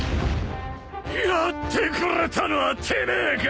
やってくれたのはてめえか！？